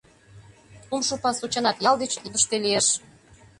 Кумшо пасу, чынак, ял деч ӧрдыжтӧ лиеш.